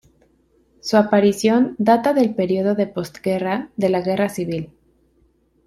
Su aparición data del periodo de postguerra de la Guerra Civil.